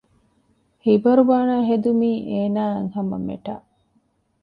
ހިބަރު ބާނައި ހެދުމީ އޭނާއަށް ހަމަ މެޓާ